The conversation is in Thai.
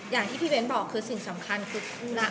อย่างที่พี่เบ้นบอกคือสิ่งสำคัญคือ